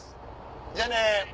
じゃあね。